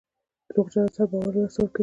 دروغجن انسان باور له لاسه ورکوي.